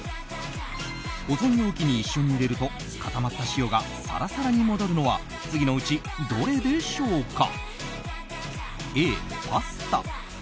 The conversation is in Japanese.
保存容器に一緒に入れると固まった塩がサラサラに戻るのは次のうちどれでしょうか。